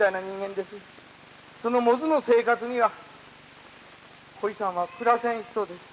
その百舌の生活にはこいさんは暮らせん人です。